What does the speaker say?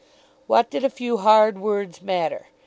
What did a few hard words matter?